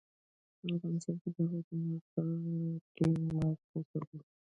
افغانستان کې هوا د هنر په اثار کې منعکس کېږي.